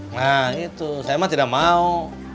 nah itu saya mah tidak mau